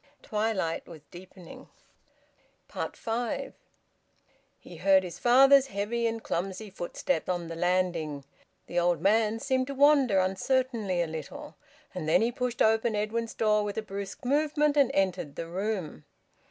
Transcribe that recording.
Twilight was deepening. FIVE. He heard his father's heavy and clumsy footstep on the landing. The old man seemed to wander uncertainly a little, and then he pushed open Edwin's door with a brusque movement and entered the room.